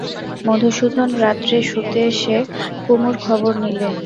মধুসূদন রাত্রে শুতে এসে কুমুর খবর নিলে।